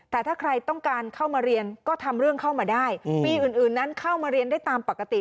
แต่ถ้าใครต้องการเข้ามาเรียนก็ทำเรื่องเข้ามาได้ปีอื่นนั้นเข้ามาเรียนได้ตามปกติ